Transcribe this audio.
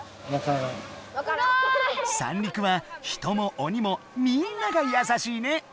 三陸は人もおにもみんなが優しいね。